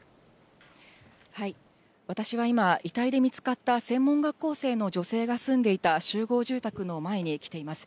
私は今、遺体で見つかった専門学校生の女性が住んでいた集合住宅の前に来ています。